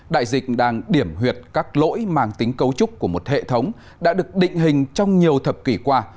đại dịch đang điểm huyệt các lỗi mang tính cấu trúc của một hệ thống đã được định hình trong nhiều thập kỷ qua